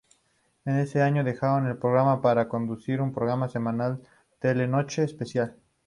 En ese año dejaron el programa para conducir un programa semanal, "Telenoche Especial".